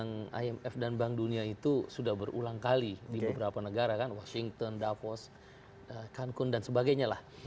ya lazimnya sebagaimana sidang penyelenggaraan imf dan bank dunia itu sudah berulang kali di beberapa negara kan washington davos cancun dan sebagainya lah